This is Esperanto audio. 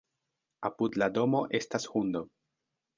Apud la domo estas hundo.